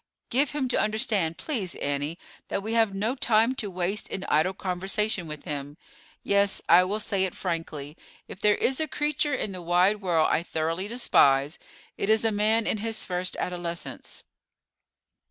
Give him to understand, please, Annie, that we have no time to waste in idle conversation with him. Yes, I will say it frankly, if there is a creature in the wide world I thoroughly despise, it is man in his first adolescence."